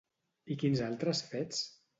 I quins altres fets?